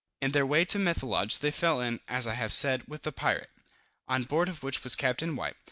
In their way to Methelage they fell in (as I have said) with the pirate, on board of which was Capt. White.